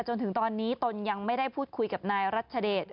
จนถึงตอนนี้ตนยังไม่ได้พูดคุยกับนายรัชเดช